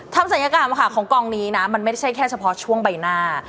ทำสัญลักษณะการของกล้องนี้นะมันไม่ใช่แค่เฉพาะช่วงใบหน้า